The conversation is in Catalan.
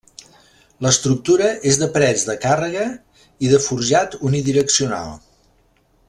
L'estructura és de parets de càrrega i de forjat unidireccional.